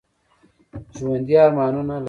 ژوندي ارمانونه لري